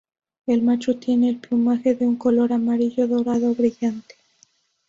El macho tiene el plumaje de un color amarillo dorado brillante.